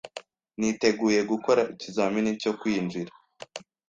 Niteguye gukora ikizamini cyo kwinjira.